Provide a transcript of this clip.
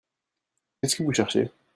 Qu'est-ce que vous cherchez ?